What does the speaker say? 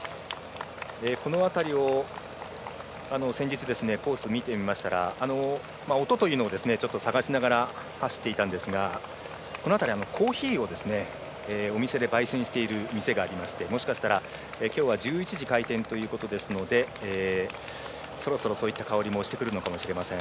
この辺りを先日、コースを見ていましたら音というのを探しながら走っていたんですがコーヒーをお店でばい煎している店がありましてもしかしたら、きょうは１１時開店ということですのでそろそろ、そういった香りもしてくるかもしれません。